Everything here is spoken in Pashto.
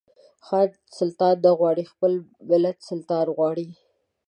ځان سلطان نه غواړي خپل ملت سلطان غواړي.